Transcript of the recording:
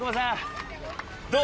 どう？